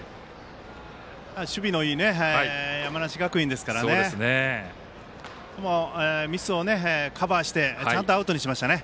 守備のいい山梨学院ですからミスをカバーしてちゃんとアウトにしましたね。